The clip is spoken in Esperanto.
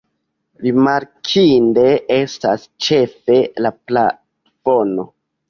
Rimarkinde estas ĉefe la plafono.